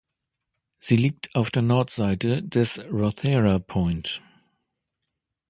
Sie liegt auf der Nordseite des Rothera Point.